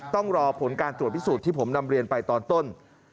ต้องรอผลการตรวจพิสูจน์ที่ผมนำเรียนไปตอนต้น